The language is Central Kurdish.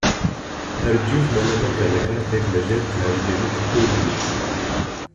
هەرگیز مەلە مەکە لە کاتێک لەژێر کاریگەریی کحوول بیت.